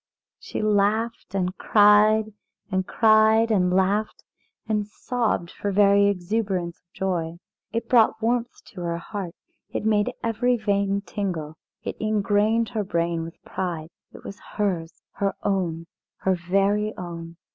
She laughed and cried, and cried and laughed and sobbed for very exuberance of joy. It brought warmth to her heart, it made every vein tingle, it ingrained her brain with pride. It was hers! her own! her very own!